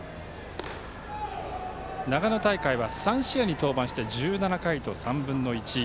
長野大会は３試合に登板して１７回と３分の１。